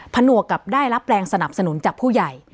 หนวกกับได้รับแรงสนับสนุนจากผู้ใหญ่